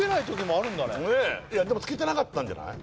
ねえいやでもつけてなかったんじゃない？